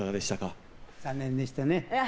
残念でしたね。